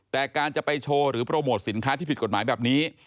แต่การจะไปโชว์หรือโปรโมทสินค้าที่ผิดกฎหมายแบบนี้